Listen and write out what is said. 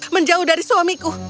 menjauh dari suamiku